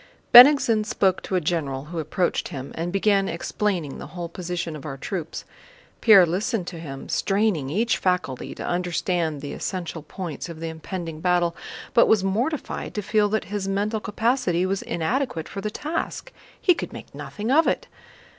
Bennigsen spoke to a general who approached him, and began explaining the whole position of our troops. Pierre listened to him, straining each faculty to understand the essential points of the impending battle, but was mortified to feel that his mental capacity was inadequate for the task. He could make nothing of it.